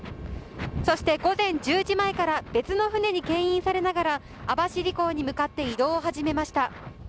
そして午前１０時前から別の船にけん引されながら網走港に向かって移動を始めました。